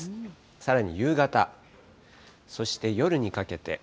さらに夕方、そして夜にかけて。